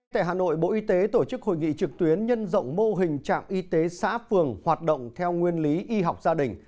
tại hà nội bộ y tế tổ chức hội nghị trực tuyến nhân rộng mô hình trạm y tế xã phường hoạt động theo nguyên lý y học gia đình